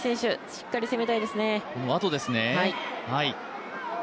しっかり攻めたいですね。